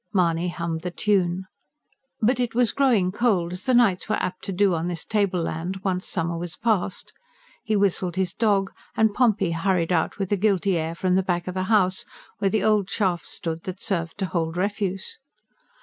Mahony hummed the tune. But it was growing cold, as the nights were apt to do on this tableland once summer was past. He whistled his dog, and Pompey hurried out with a guilty air from the back of the house, where the old shaft stood that served to hold refuse.